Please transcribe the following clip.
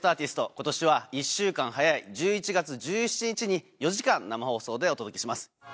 ことしは１週間早い１１月１７日に４時間生放送でお届けします。